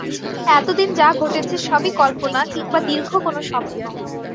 এতদিন যা ঘটেছে সবই কল্পনা কিংবা দীর্ঘ কোনো স্বপ্ন।